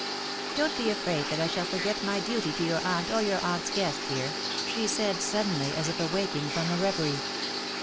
" Don^t be afraid that I shall forget my duty to your aunt or your aunt's guest, dear/'' she said suddenly; as if awaking from a reverie.